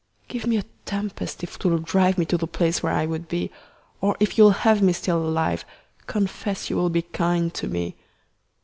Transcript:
Give me a tempest if 'twill drive Me to the place where I would be; Or if you'll have me still alive, Confess you will be kind to me.